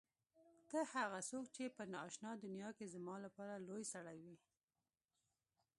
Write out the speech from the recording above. ته هغه څوک چې په نا آشنا دنیا کې زما لپاره لوى سړى وې.